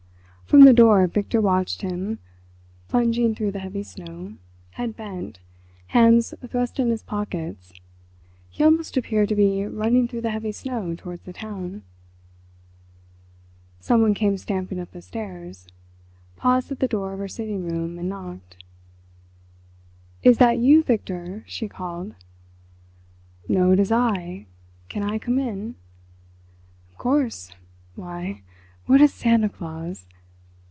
From the door Victor watched him plunging through the heavy snow—head bent—hands thrust in his pockets—he almost appeared to be running through the heavy snow towards the town. Someone came stamping up the stairs—paused at the door of her sitting room, and knocked. "Is that you, Victor?" she called. "No, it is I... can I come in?" "Of course. Why, what a Santa Claus!